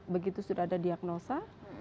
begitu sudah ada diagnosa